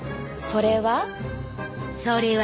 それは。